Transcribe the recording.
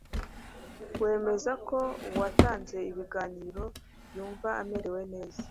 wemeza ko uwatanze ibiganiro yumva amerewe neza